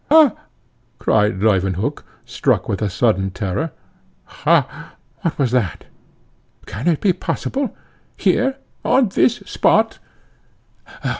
"Ha!" cried Leuwenhock, struck with a sudden terror, "ha! what was that? Can it be possible? Here, on this spot?